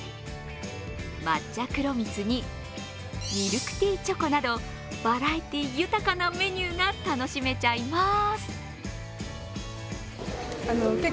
抹茶黒蜜に、ミルクティーチョコなど、バラエティー豊かなメニューが楽しめちゃいます。